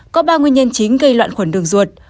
có ba nguyên nhân chính gây loạn khuẩn đường ruột